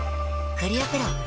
クリアプロだＣ。